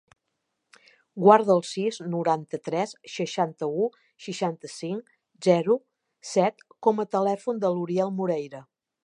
Guarda el sis, noranta-tres, seixanta-u, seixanta-cinc, zero, set com a telèfon de l'Uriel Moreira.